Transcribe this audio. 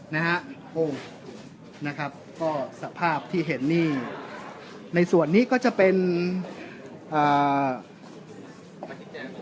นะครับโอ้นะครับก็สภาพที่เห็นนี่ในส่วนนี้ก็จะเป็น